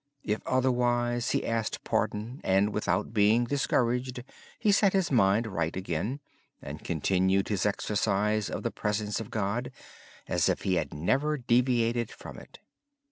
If otherwise, he asked pardon and, without being discouraged, he set his mind right again. He then continued his exercise of the presence of God as if he had never deviated from it.